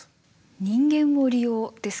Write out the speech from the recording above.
人間を利用ですか？